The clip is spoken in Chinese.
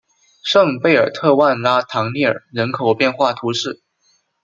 圣贝尔特万拉唐涅尔人口变化图示